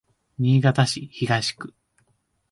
新潟市東区